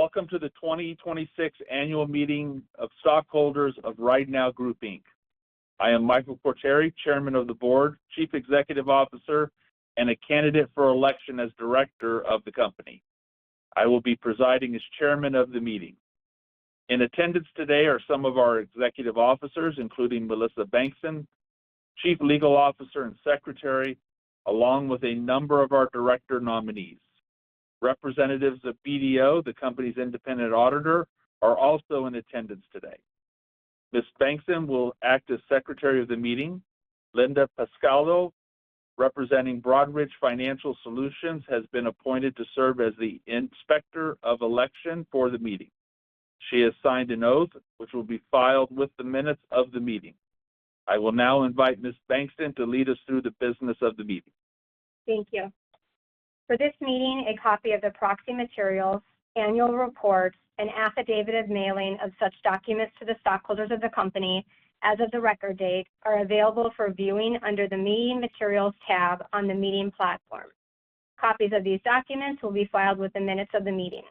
Welcome to the 2026 annual meeting of stockholders of RideNow Group, Inc. I am Michael Quartieri, chairman of the board, chief executive officer, and a candidate for election as director of the company. I will be presiding as chairman of the meeting. In attendance today are some of our executive officers, including Melissa Bengtson, chief legal officer and secretary, along with a number of our director nominees. Representatives of BDO, the company's independent auditor, are also in attendance today. Ms. Bengtson will act as secretary of the meeting. Linda Pasquale, representing Broadridge Financial Solutions, has been appointed to serve as the inspector of election for the meeting. She has signed an oath, which will be filed with the minutes of the meeting. I will now invite Ms. Bengtson to lead us through the business of the meeting. Thank you. For this meeting, a copy of the proxy materials, annual report, and affidavit of mailing of such documents to the stockholders of the company as of the record date are available for viewing under the Meeting Materials tab on the meeting platform. Copies of these documents will be filed with the minutes of the meeting.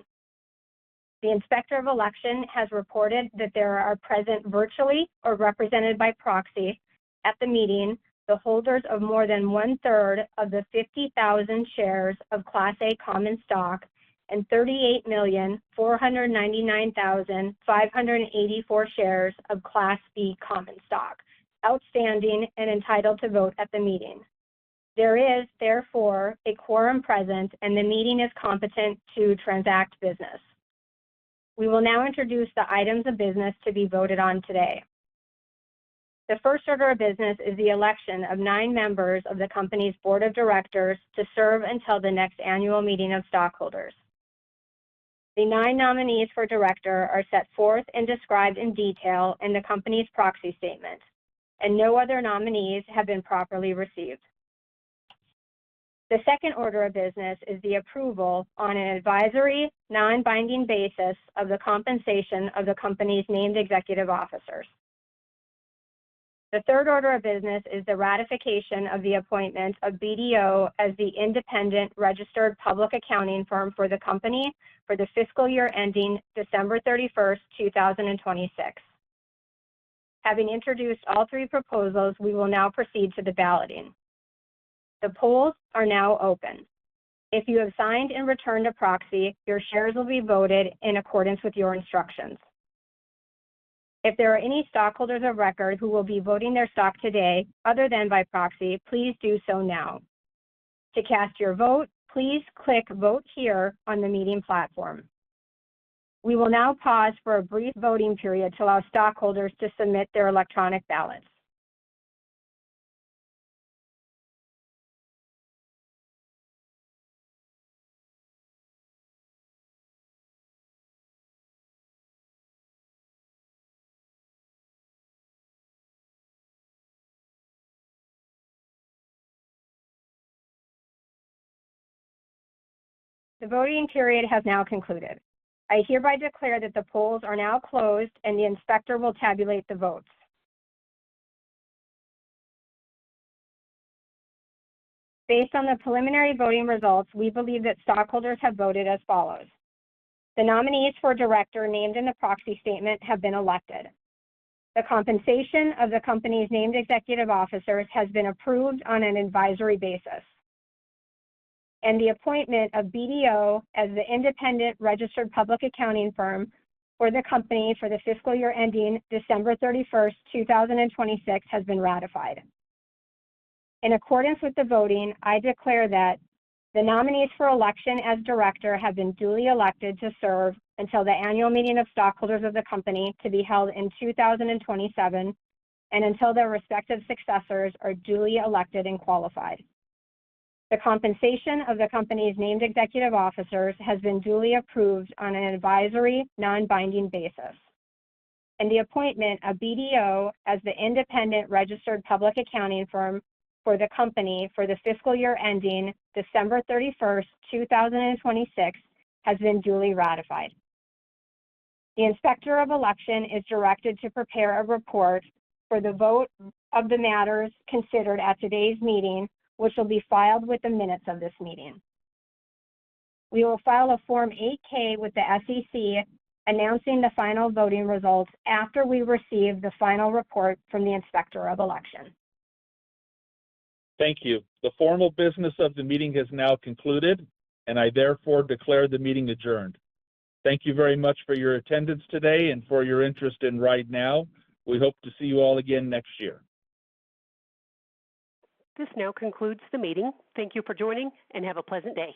The inspector of election has reported that there are present virtually or represented by proxy at the meeting the holders of more than one-third of the 50,000 shares of Class A common stock and 38,499,584 shares of Class B common stock outstanding and entitled to vote at the meeting. There is, therefore, a quorum present, and the meeting is competent to transact business. We will now introduce the items of business to be voted on today. The first order of business is the election of nine members of the company's board of directors to serve until the next annual meeting of stockholders. The nine nominees for director are set forth and described in detail in the company's proxy statement. No other nominees have been properly received. The second order of business is the approval on an advisory, non-binding basis of the compensation of the company's named executive officers. The third order of business is the ratification of the appointment of BDO as the independent registered public accounting firm for the company for the fiscal year ending December 31st, 2026. Having introduced all three proposals, we will now proceed to the balloting. The polls are now open. If you have signed and returned a proxy, your shares will be voted in accordance with your instructions. If there are any stockholders of record who will be voting their stock today other than by proxy, please do so now. To cast your vote, please click Vote Here on the meeting platform. We will now pause for a brief voting period to allow stockholders to submit their electronic ballots. The voting period has now concluded. I hereby declare that the polls are now closed. The inspector will tabulate the votes. Based on the preliminary voting results, we believe that stockholders have voted as follows. The nominees for director named in the proxy statement have been elected. The compensation of the company's named executive officers has been approved on an advisory basis. The appointment of BDO as the independent registered public accounting firm for the company for the fiscal year ending December 31st, 2026, has been ratified. In accordance with the voting, I declare that the nominees for election as director have been duly elected to serve until the annual meeting of stockholders of the company to be held in 2027 and until their respective successors are duly elected and qualified. The compensation of the company's named executive officers has been duly approved on an advisory, non-binding basis. The appointment of BDO as the independent registered public accounting firm for the company for the fiscal year ending December 31st, 2026, has been duly ratified. The inspector of election is directed to prepare a report for the vote of the matters considered at today's meeting, which will be filed with the minutes of this meeting. We will file a Form 8-K with the SEC announcing the final voting results after we receive the final report from the inspector of election. Thank you. The formal business of the meeting has now concluded. I therefore declare the meeting adjourned. Thank you very much for your attendance today and for your interest in RideNow. We hope to see you all again next year. This now concludes the meeting. Thank you for joining. Have a pleasant day.